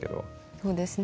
そうですね